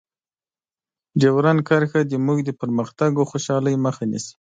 ډیورنډ کرښه زموږ د پرمختګ او خوشحالۍ مخه نیسي.